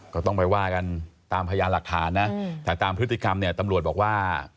ก็ต้องไปว่ากันตามพยานหลักฐานนะแต่ตามพฤติกรรมเนี่ยตำรวจบอกว่า